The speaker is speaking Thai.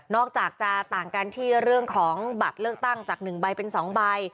จากจะต่างกันที่เรื่องของบัตรเลือกตั้งจาก๑ใบเป็น๒ใบ